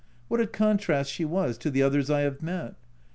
What a contrast she was to the others I have met